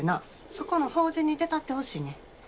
そこの法事に出たってほしいねん。